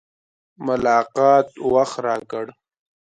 ملاقات وخت راکړ.